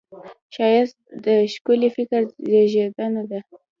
ښایست د ښکلي فکر زېږنده ده